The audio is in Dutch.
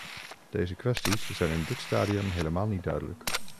Deze kwesties zijn in dit stadium helemaal niet duidelijk.